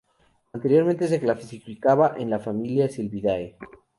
Anteriormente se clasificaba en la familia Sylviidae.